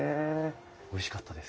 おいしかったです。